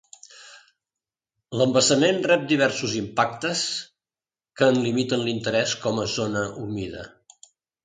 L'embassament rep diversos impactes que en limiten l'interès com a zona humida.